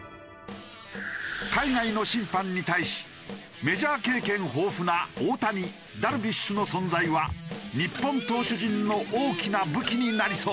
海外の審判に対しメジャー経験豊富な大谷ダルビッシュの存在は日本投手陣の大きな武器になりそうだ。